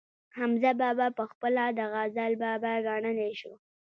حمزه بابا پخپله د غزل بابا ګڼلی شو